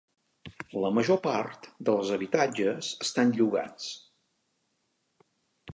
La major part dels habitatges estan llogats.